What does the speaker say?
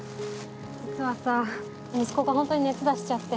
実はさ息子が本当に熱出しちゃって。